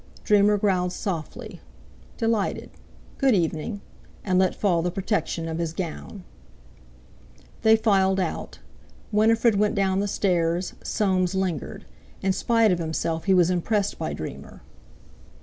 Dreamer growled softly: "Delighted. Good evening!" And let fall the protection of his gown. They filed out. Winifred went down the stairs. Soames lingered. In spite of himself he was impressed by Dreamer.